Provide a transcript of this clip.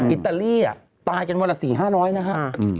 อิตาลีตายกันวันละ๔๕๐๐นะฮะ